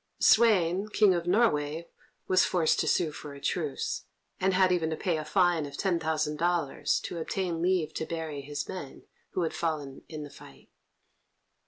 Sweyn, King of Norway, was forced to sue for a truce, and had even to pay a fine of ten thousand dollars to obtain leave to bury his men who had fallen in the fight.